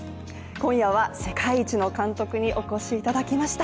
今夜は世界一の監督にお越しいただきました。